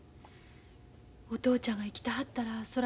お父ちゃんが生きてはったらそら